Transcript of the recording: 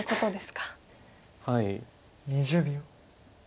２０秒。